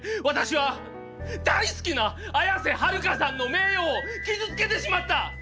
私は大好きな綾瀬はるかさんの名誉を傷つけてしまった！